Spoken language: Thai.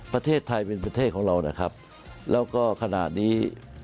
ประเทศไทยเป็นประเทศของเรานะครับแล้วก็ขณะนี้